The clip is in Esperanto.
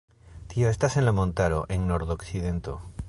Tio estas en la montaro, en nord-okcidento.